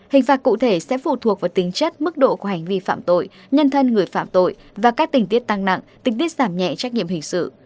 hình phạt cụ thể sẽ phụ thuộc vào tính chất mức độ của hành vi phạm tội nhân thân người phạm tội và các tình tiết tăng nặng tình tiết giảm nhẹ trách nhiệm hình sự